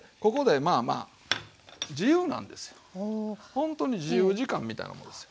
ほんとに自由時間みたいなもんですよ。